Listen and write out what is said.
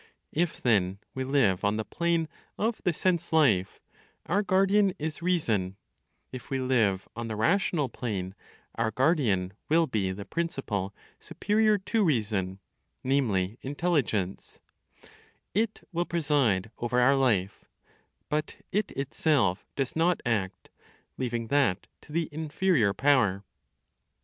If then we live on the plane of the sense life, our guardian is reason; if we live on the rational plane, our guardian will be the principal superior to reason (namely, intelligence); it will preside over our life, but it itself does not act, leaving that to the inferior power.